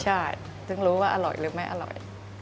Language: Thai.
ใช่ถึงรู้ว่าอร่อยหรือไม่อร่อย